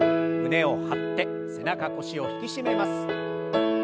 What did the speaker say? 胸を張って背中腰を引き締めます。